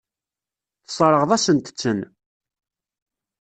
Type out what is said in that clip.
Tessṛeɣ-asent-ten.